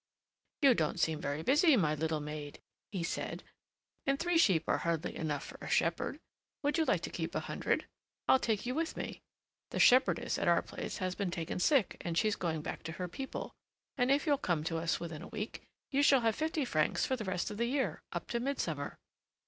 'You don't seem very busy, my little maid,' he said; 'and three sheep are hardly enough for a shepherd. Would you like to keep a hundred? I'll take you with me. The shepherdess at our place has been taken sick and she's going back to her people, and if you'll come to us within a week, you shall have fifty francs for the rest of the year, up to midsummer.'